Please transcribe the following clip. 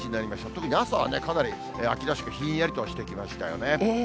特に朝は、かなり秋らしくひんやりとしてきましたよね。